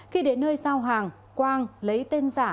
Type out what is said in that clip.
khi đến nơi giao hàng quang lấy tên giả